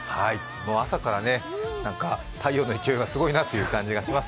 朝から、太陽の勢いがすごいなという感じがします。